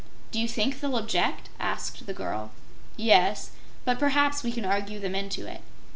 "Do you think they'll object?" asked the girl. "Yes; but perhaps we can argue them into it.